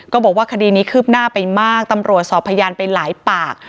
บอกว่าคดีนี้คืบหน้าไปมากตำรวจสอบพยานไปหลายปาก